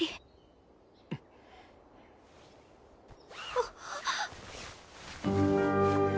あっ！